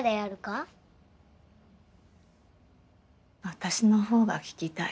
私のほうが聞きたい。